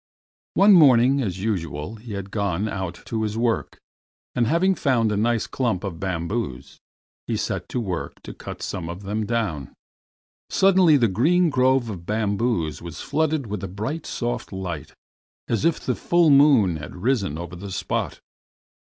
One morning as usual he had gone out to his work, and having found a nice clump of bamboos, had set to work to cut some of them down. Suddenly the green grove of bamboos was flooded with a bright soft light, as if the full moon had risen over the spot.